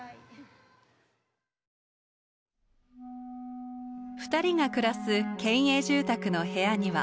二人が暮らす県営住宅の部屋には。